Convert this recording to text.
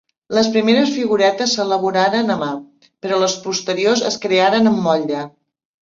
Les primeres figuretes s'elaboraren a mà, però les posteriors es crearen amb motlle.